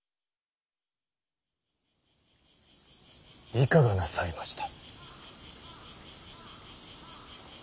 いかがなさいました。